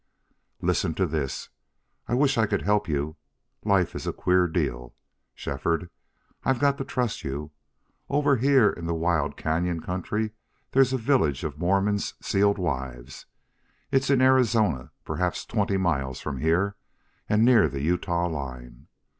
"Listen to this.... I wish I could help you. Life is a queer deal. ... Shefford, I've got to trust you. Over here in the wild cañon country there's a village of Mormons' sealed wives. It's in Arizona, perhaps twenty miles from here, and near the Utah line.